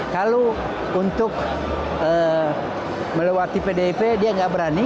kalau untuk melewati pdip dia nggak berani